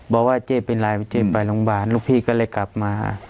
บอกว่าเจ๊เป็นไรเจ๊ไปโรงพยาบาลลูกพี่ก็เลยกลับมา